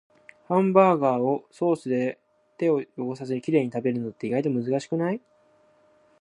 ハンバーガーをソースで手を汚さずにきれいに食べるのって、意外と難しくない？